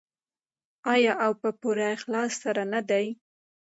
آیا او په پوره اخلاص سره نه دی؟